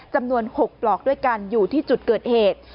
จำนวน๖ปลอกด้วยกันอยู่ที่จุดเกิดเหตุ